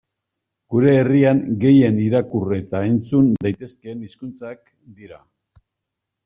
Gure herrian gehien irakur eta entzun daitezkeen hizkuntzak dira.